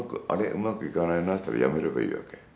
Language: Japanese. うまくいかないなっつったらやめればいいわけ。